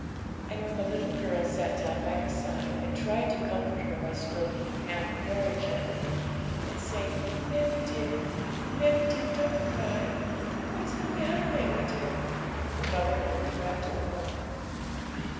And when the little girl sat down by her side, and tried to comfort her by stroking her hand very gently, and saying, 'Mammie dear, mammie dear, don't cry! What's the matter, mammie dear?' her mother only wept the more.